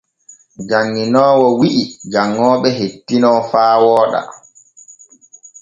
Janŋinoowo wi’i janŋooɓe hettino faa wooɗa.